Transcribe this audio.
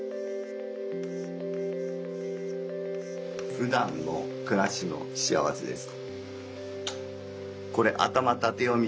ふだんのくらしのしあわせです。